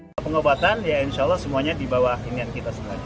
hai pengobatan ya insyaallah semuanya di bawah ini kita